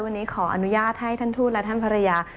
วันนี้ขออนุญาตให้ท่านทูตและท่านภรรยา